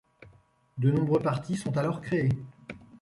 De nombreux partis sont alors créés.